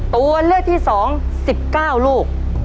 ตัวเลือกที่๒๑๙ลูก